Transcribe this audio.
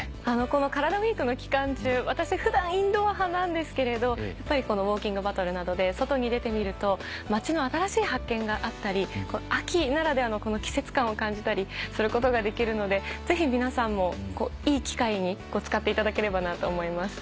この「カラダＷＥＥＫ」の期間中私普段インドア派なんですけれどやっぱりこのウオーキングバトルなどで外に出てみると街の新しい発見があったり秋ならではの季節感を感じたりすることができるのでぜひ皆さんもいい機会に使っていただければなと思います。